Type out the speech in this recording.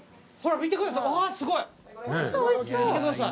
見てください。